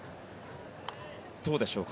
どうでしょうか？